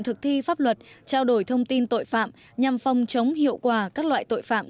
thực thi pháp luật trao đổi thông tin tội phạm nhằm phòng chống hiệu quả các loại tội phạm